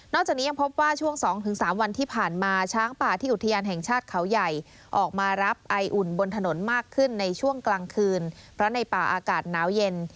จากนี้ยังพบว่าช่วง๒๓วันที่ผ่านมาช้างป่าที่อุทยานแห่งชาติเขาใหญ่ออกมารับไออุ่นบนถนนมากขึ้นในช่วงกลางคืนเพราะในป่าอากาศหนาวเย็น